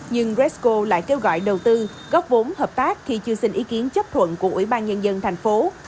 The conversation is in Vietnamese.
nhưng resco lại kêu gọi đầu tư góp vốn hợp tác khi chưa xin ý kiến chấp thuận của ủy ban nhân dân thành phố